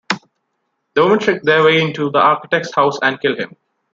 The women trick their way into the architect's house and kill him.